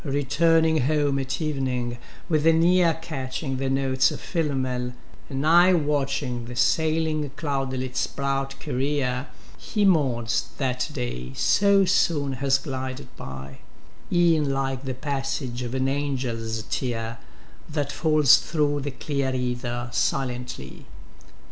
Returning home at evening, with an ear Catching the notes of Philomel, an eye Watching the sailing cloudletâs bright career, He mourns that day so soon has glided by: Eâen like the passage of an angelâs tear That falls through the clear ether silently.